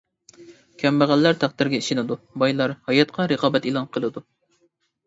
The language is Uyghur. كەمبەغەللەر تەقدىرگە ئىشىنىدۇ، بايلار ھاياتقا رىقابەت ئېلان قىلىدۇ.